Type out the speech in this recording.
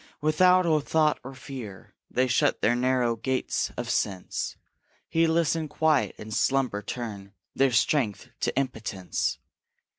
Without a thought, or fear, they shut The narrow gates of sense; Heedless and quiet, in slumber turn Their strength to impotence.